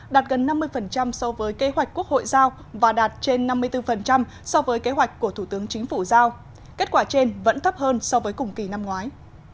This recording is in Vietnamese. đạt gần năm mươi so với kế hoạch quốc hội giao và đạt trên năm mươi bốn so với kế hoạch của thủ tướng chính phủ giao kết quả trên vẫn thấp hơn so với cùng kỳ năm ngoái